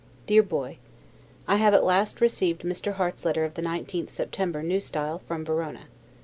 DEAR BOY: I have at last received Mr. Harte's letter of the 19th September, N. S., from Verona.